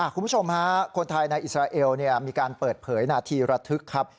คุณผู้ชมฮะคนไทยในอิสราเอลมีการเปิดเผยนาทีระทึกครับ